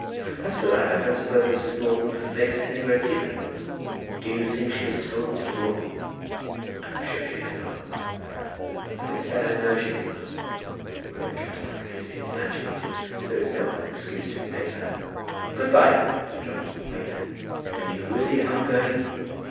"As for that, I don't suppose Mrs. Broughton makes any great secret of it." "Do you think she has told Mr. Broughton? I am sure she has not. I may say I know she has not. Maria Clutterbuck is infatuated. There is no other excuse to be made for her." "Good by," said Johnny, hurriedly. "And you really are going?"